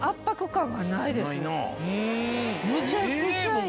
むちゃくちゃいい。